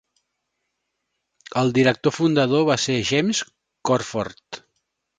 El director fundador va ser James Cornford.